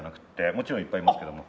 もちろんいっぱいいますけども。